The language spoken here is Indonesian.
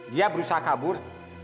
dia berusaha kabur